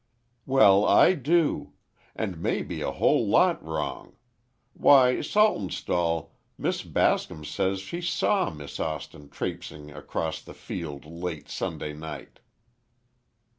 "Well, I do. And maybe a whole lot wrong. Why, Saltonstall, Miss Bascom says she saw Miss Austin traipsing across the field late Sunday night."